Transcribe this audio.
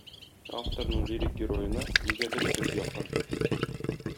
Авторның лирик героена нигәдер көз якын.